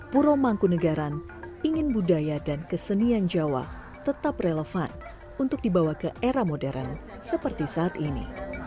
puro mangkunegaran ingin budaya dan kesenian jawa tetap relevan untuk dibawa ke era modern seperti saat ini